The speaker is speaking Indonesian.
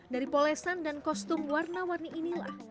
dari polesan dan kostum warna warni inilah